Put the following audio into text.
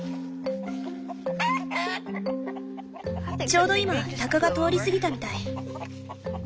ちょうど今タカが通り過ぎたみたい。